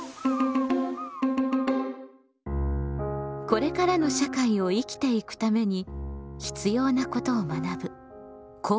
これからの社会を生きていくために必要なことを学ぶ「公共」。